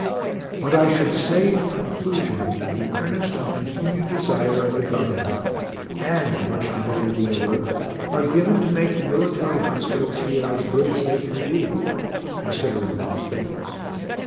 But I should say, in conclusion, that the earnest and continued desire of the Government, and much devoted labor, are given to make the military hospitals here as good as they can be, considering all things.